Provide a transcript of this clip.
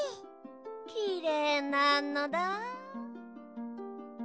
きれいなのだ。